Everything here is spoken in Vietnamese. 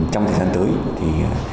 trong thời gian tới thì